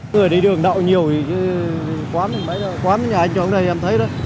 người đi đường đạo nhiều thì quán nhà anh cho ông đây em thấy đó